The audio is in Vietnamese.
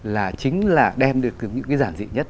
là chính là đem được những cái giản dị nhất